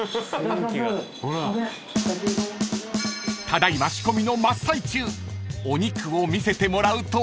［ただ今仕込みの真っ最中お肉を見せてもらうと］